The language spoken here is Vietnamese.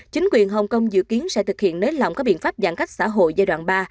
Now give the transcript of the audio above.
chính quyền hồng kông dự kiến sẽ thực hiện nới lỏng các biện pháp giãn cách xã hội giai đoạn ba